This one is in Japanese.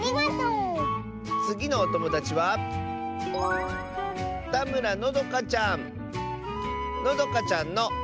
つぎのおともだちはのどかちゃんの。